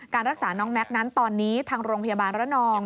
รักษาน้องแม็กซ์นั้นตอนนี้ทางโรงพยาบาลระนอง